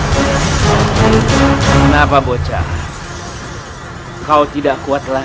semoga allah selalu melindungi kita